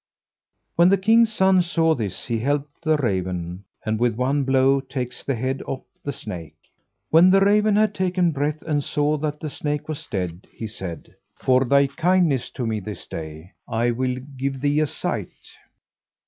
When the king's son saw this he helped the raven, and with one blow takes the head off the snake. When the raven had taken breath, and saw that the snake was dead, he said, "For thy kindness to me this day, I will give thee a sight.